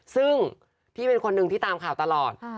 ซึ่งพี่เป็นคนหนึ่งที่ตามข่าวตลอด